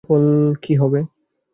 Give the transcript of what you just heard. এর ফলাফল কি হবে?